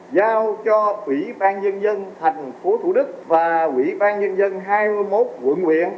giao cho quỹ ban nhân dân tp thủ đức và quỹ ban nhân dân hai mươi một quận huyện